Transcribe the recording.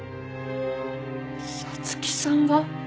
彩月さんが？